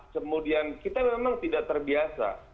kemudian kita memang tidak terbiasa